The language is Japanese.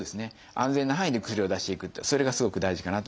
安全な範囲で薬を出していくっていうそれがすごく大事かなと。